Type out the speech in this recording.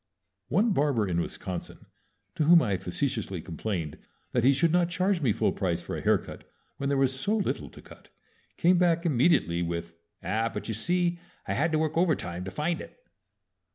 One barber in Wisconsin, to whom I facetiously complained that he should not charge me full price for a haircut when there was so little to cut, came back immediately with, "Ah, but you see I had to work overtime to find it!"